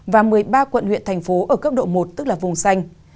và một mươi ba quận huyện thành phố ở cấp độ một tức là vùng xanh